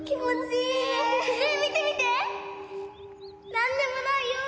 なんでもないよーだ！